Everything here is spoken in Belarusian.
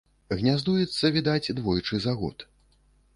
Гняздуецца, відаць, двойчы за год.